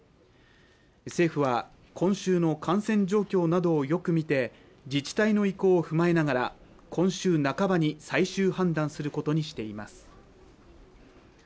政府は今週の感染状況などをよく見て自治体の意向を踏まえながら今週半ばに最終判断することにしています